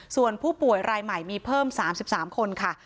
ส่วนผู้ป่วยรายใหม่มีเพิ่ม๓๓คนค่ะ